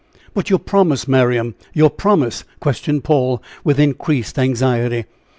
"But your promise, Miriam your promise," questioned Paul, with increased anxiety.